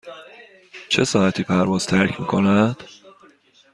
چه ساعتی پرواز ترک می کند؟